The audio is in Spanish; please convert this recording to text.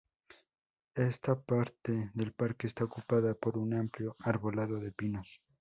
Esta parte del parque está ocupada por un amplio arbolado de pinos.